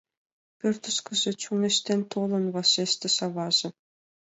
— Пӧртышкыжӧ чоҥештен толын, — вашештыш аваже.